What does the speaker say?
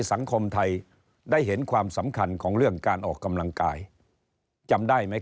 สังคมไทยได้เห็นความสำคัญของเรื่องการออกกำลังกายจำได้ไหม